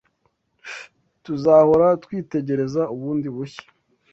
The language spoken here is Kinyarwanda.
Tuzahora twitegereza bundi bushya,